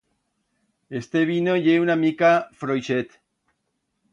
Este vino ye una mica floixet.